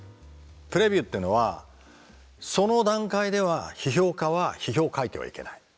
プレビューっていうのはその段階では批評家は批評を書いてはいけない。